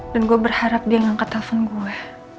dan gue berharap dia ngangket telpon gue